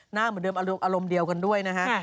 เหมือนเดิมอารมณ์เดียวกันด้วยนะฮะ